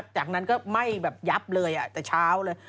จากนั้นก็ไหม้แบบยับเลยแต่เช้าเลย